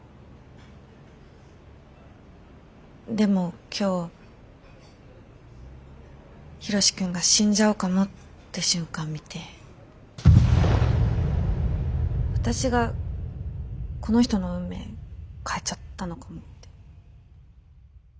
でも今日ヒロシ君が死んじゃうかもって瞬間見て私がこの人の運命変えちゃったのかもって。